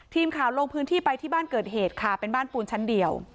ทีมข่าวลงพื้นที่ไปที่บ้านเกิดเหตุค่ะเป็นบ้านปูนชั้นเดียว